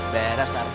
beres pak rt